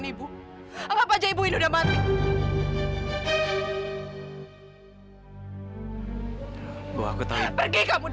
ibu gak punya anak kayak kamu